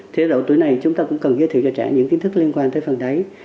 thì ở lúc tuổi này chúng ta cũng cần giới thiệu cho trẻ những kiến thức liên quan tới pháp luật